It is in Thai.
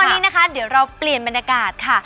วันนี้นะคะเดี๋ยวเราเปลี่ยนบรรยากาศค่ะ